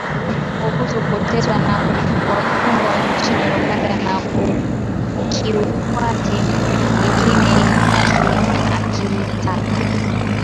Kuhusu kuteswa kwa wafungwa nchini Uganda na ukiukwaji mwingine wa haki akimtaka.